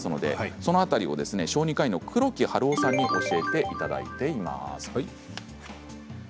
その辺りを小児科医の黒木春郎さんに教えていただきました。